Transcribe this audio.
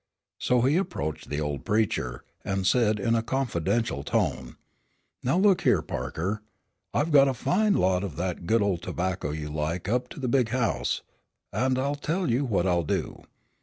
So he approached the old preacher, and said in a confidential tone. "Now look here, Parker, I've got a fine lot of that good old tobacco you like so up to the big house, and I'll tell you what I'll do.